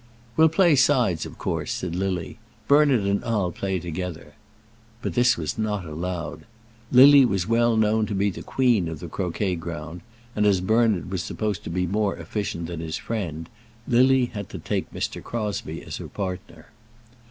"We'll play sides, of course," said Lily. "Bernard and I'll play together." But this was not allowed. Lily was well known to be the queen of the croquet ground; and as Bernard was supposed to be more efficient than his friend, Lily had to take Mr. Crosbie as her partner.